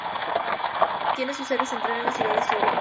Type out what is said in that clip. Tiene su sede central en la ciudad de Soria.